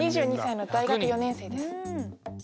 ２２歳の大学４年生です